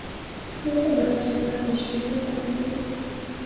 او تے بڑا چنگا تے شریف آدمی دا